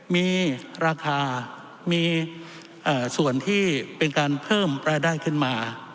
มีราคามีส่วนที่เป็นการเพิ่มรายได้ขึ้นมา